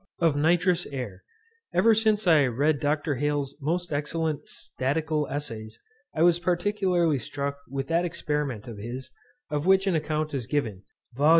Of NITROUS AIR. Ever since I first read Dr. Hales's most excellent Statical Essays, I was particularly struck with that experiment of his, of which an account is given, VOL.